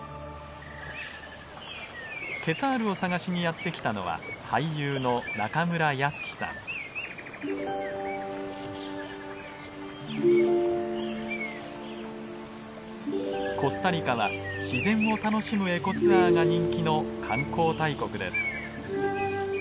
ケツァールを探しにやって来たのは俳優のコスタリカは自然を楽しむエコツアーが人気の観光大国です。